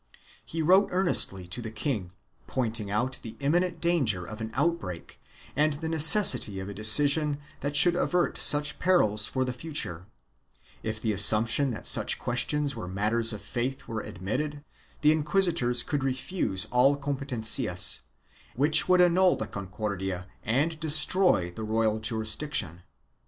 He wrote earnestly to the king, pointing out the imminent danger of an outbreak and the necessity of a decision that should avert such perils for the future; if the assumption that such questions were matters of faith were admitted, the inquisitors could refuse all competencias, which would annul the Concordia and destroy the royal jurisdiction.